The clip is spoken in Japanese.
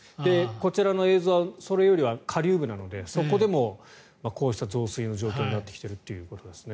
こちらの映像はそれよりは下流部なのでそこでもこうした状況になっているということです。